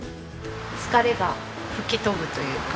疲れが吹き飛ぶというか。